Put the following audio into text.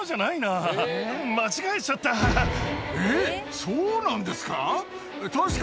えっそうなんですか？